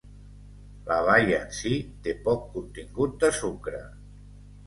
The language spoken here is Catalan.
La baia en si té poc contingut de sucre.